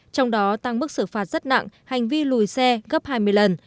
trong đó tăng mức xử phạt rất nặng hành vi lùi xe gấp hai mươi lần